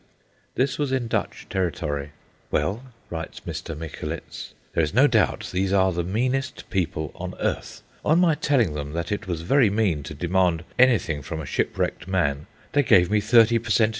This was in Dutch territory. "Well," writes Mr. Micholitz, "there is no doubt these are the meanest people on earth. On my telling them that it was very mean to demand anything from a shipwrecked man, they gave me thirty per cent.